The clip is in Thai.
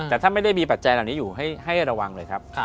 แต่ถ้าไม่ได้มีปัจจัยเหล่านี้อยู่ให้ระวังเลยครับ